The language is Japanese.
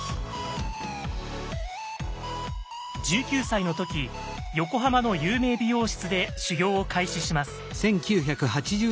１９歳の時横浜の有名美容室で修業を開始します。